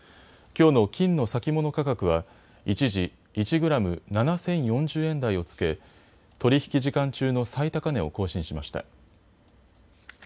きょうの金の先物価格は一時１グラム７０４０円台をつけ取り引き時間中の最高値を更新しました。